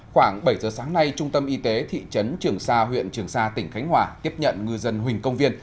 khoảng bảy giờ sáng nay trung tâm y tế thị trấn trường sa huyện trường sa tỉnh khánh hòa tiếp nhận ngư dân huỳnh công viên